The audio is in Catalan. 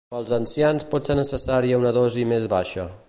Per als ancians pot ser necessària una dosi més baixa.